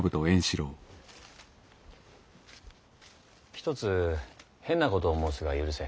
一つ変なことを申すが許せ。